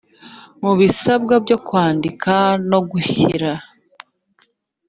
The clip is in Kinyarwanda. mu bisabwa byo kwandika no gushyira